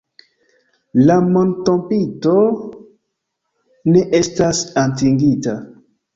La montopinto ne estas atingita.